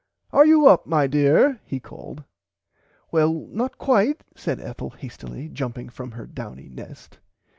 Are you up my dear he called. Well not quite said Ethel hastilly jumping from her downy nest.